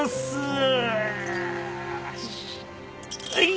はい！